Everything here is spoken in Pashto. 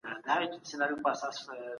هغه کولای سي ځان سمبال کړي.